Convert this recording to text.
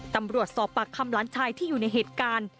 ตำรวจสอบปากคำหลานชายที่อยู่ในเหตุการณ์